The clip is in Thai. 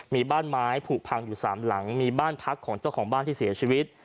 มีบ้านไม้ผูกพังอยู่๓หลังมีบ้านพักของเจ้าของบ้านที่เสียชีวิต